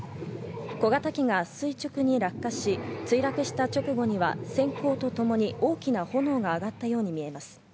小型機が垂直に落下し、墜落した直後には閃光とともに大きな炎が上がったように見えます。